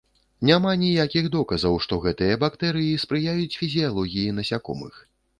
Няма ніякіх доказаў, што гэтыя бактэрыі спрыяюць фізіялогіі насякомых.